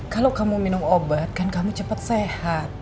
kalau kamu minum obat kan kamu cepat sehat